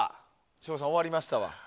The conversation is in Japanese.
省吾さん、終わりましたわ。